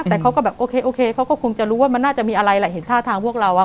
แต่เขาก็แบบโอเคโอเคเขาก็คงจะรู้ว่ามันน่าจะมีอะไรแหละเห็นท่าทางพวกเราอ่ะ